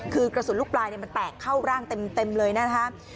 คือกระสุนลูกปลายมันแตกเข้าร่างเต็มเลยนะครับ